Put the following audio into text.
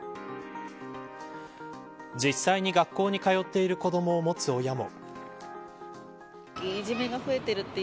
実際に学校に通っている子どもを持つ親も。